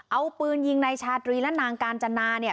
เอาปืนยิงในชาตรีและนางกาญจนาเนี่ย